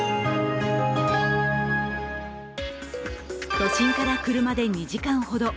都心から車で２時間ほど。